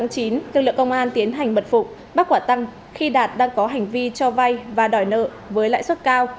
ngày hai mươi tám tháng chín tương lượng công an tiến hành bật phụ bắt quả tăng khi đạt đang có hành vi cho vay và đòi nợ với lãi suất cao